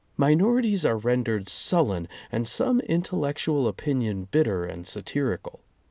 Minori ties are rendered sullen, and some intellectual opinion bitter and satirical.